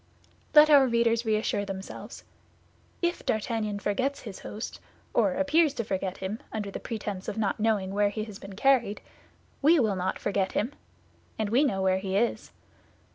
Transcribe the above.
Let our readers reassure themselves. If D'Artagnan forgets his host, or appears to forget him, under the pretense of not knowing where he has been carried, we will not forget him, and we know where he is.